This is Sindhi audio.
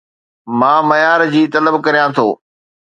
مان معيار جي طلب ڪريان ٿو